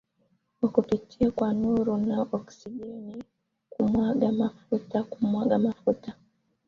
wa kupita kwa nuru na oksijeniKumwaga mafutaKumwaga mafuta